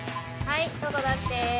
はい。